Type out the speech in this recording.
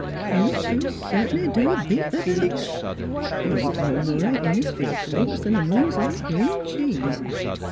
You two cert'nly do beat the Dutch. You ain't no more like Innisfield folks 'an th' moon's like green cheese.